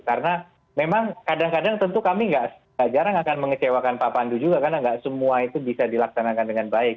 karena memang kadang kadang tentu kami tidak jarang akan mengecewakan pak pandu juga karena nggak semua itu bisa dilaksanakan dengan baik